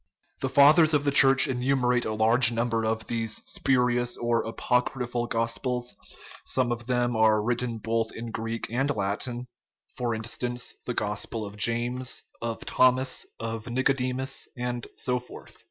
The fathers of the Church enumerate from forty to fifty of these spurious or apocryphal gospels ; some of them are written both in Greek and Latin for instance, the gospel of James, of Thomas, of Nicodemus, and so forth.